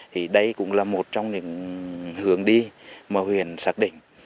thì đây cũng là một trong những hướng đi mà huyện xác định